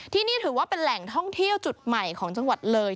ที่นี่ถือว่าเป็นแหล่งท่องเที่ยวจุดใหม่ของจังหวัดเลย